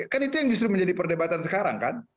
kan itu yang justru menjadi perdebatan sekarang kan